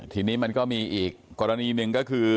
ทีนี้มันก็มีอีกกรณีหนึ่งก็คือ